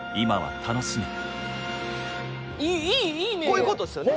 こういうことっすよね。